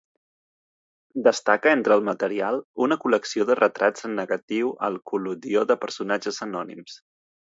Destaca, entre el material, una col·lecció de retrats en negatiu al col·lodió de personatges anònims.